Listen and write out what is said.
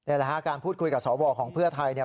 เดิมละหากาคาคาคาฟูถคุยกับสระวัตถ์ของพรีชไทย